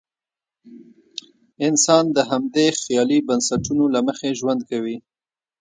انسان د همدې خیالي بنسټونو له مخې ژوند کوي.